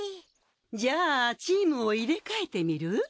じゃあチームを入れ替えてみる？